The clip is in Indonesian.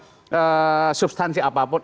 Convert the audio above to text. masukkan masyarakat sekecil apapun